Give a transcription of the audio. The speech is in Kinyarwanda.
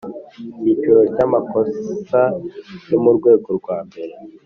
Icyiciro cya Amakosa yo mu rwego rwa mbere